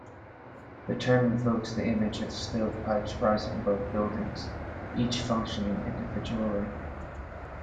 The term evokes the image of stovepipes rising above buildings, each functioning individually.